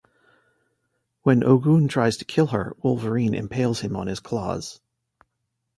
When Ogun tries to kill her, Wolverine impales him on his claws.